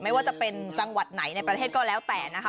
ไม่ว่าจะเป็นจังหวัดไหนในประเทศก็แล้วแต่นะคะ